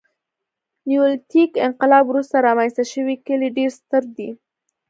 نیولیتیک انقلاب وروسته رامنځته شوي کلي ډېر ستر دي.